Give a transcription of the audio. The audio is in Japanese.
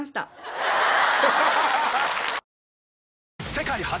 世界初！